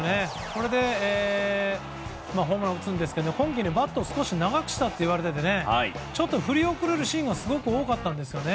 これでホームランを打つんですけど今季バットを少し長くしたといわれていてちょっと振り遅れるシーンがすごく多かったんですね。